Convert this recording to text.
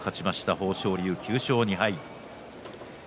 豊昇龍９勝２敗です。